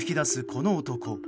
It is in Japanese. この男。